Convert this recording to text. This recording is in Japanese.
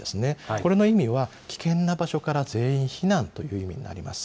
これの意味は、危険な場所から全員避難という意味になります。